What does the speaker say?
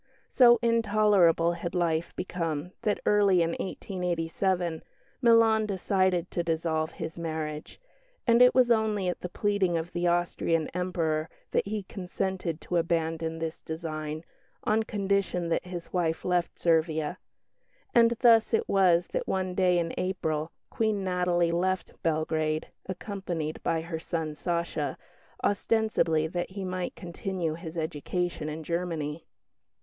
So intolerable had life become that, early in 1887, Milan decided to dissolve his marriage; and it was only at the pleading of the Austrian Emperor that he consented to abandon this design, on condition that his wife left Servia; and thus it was that one day in April Queen Natalie left Belgrade, accompanied by her son "Sacha," ostensibly that he might continue his education in Germany.